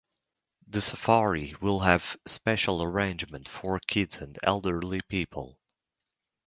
The Safari will have special arrangement for kids and elderly people.